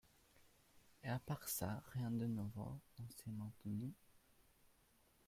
Et à part ça… rien de nouveau, Monsieur Maltenu ?